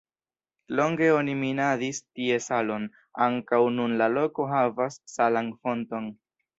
Longe oni minadis tie salon, ankaŭ nun la loko havas salan fonton.